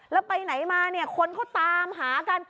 แล้วไปไหนมาเนี่ยคนเขาตามหากัน